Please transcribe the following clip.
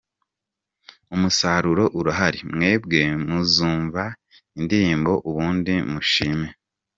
Umusaruro urahari, mwebwe muzumva indirimbo ubundi mushime.